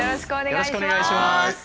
よろしくお願いします。